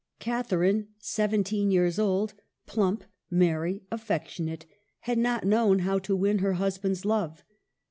Catherine, seventeen years old, plump, merry, affectionate, had not known how to win her hus band's love.